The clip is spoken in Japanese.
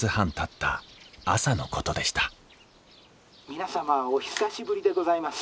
「皆様お久しぶりでございます。